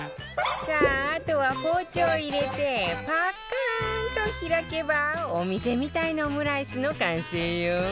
さああとは包丁入れてパッカーンと開けばお店みたいなオムライスの完成よ